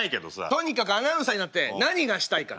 とにかくアナウンサーになって何がしたいか。